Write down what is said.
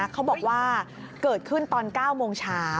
เขาบอกว่าเกิดขึ้นตอน๙โมงเช้า